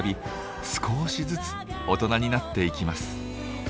少しずつ大人になっていきます。